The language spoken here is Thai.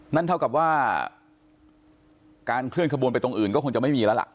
นั่นเท่ากับว่าการเคลื่อนขบวนไปตรงอื่นก็คงจะไม่มีแล้วล่ะ